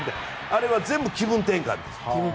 あれは全部、気分転換です。